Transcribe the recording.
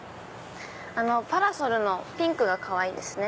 あのパラソルのピンクがかわいいですね。